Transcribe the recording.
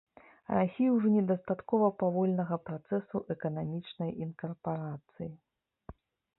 Расіі ўжо недастаткова павольнага працэсу эканамічнай інкарпарацыі.